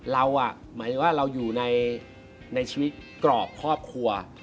หมายถึงว่าเราอยู่ในชีวิตกรอบครอบครัว